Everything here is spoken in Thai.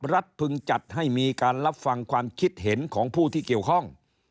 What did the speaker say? พึงจัดให้มีการรับฟังความคิดเห็นของผู้ที่เกี่ยวข้อง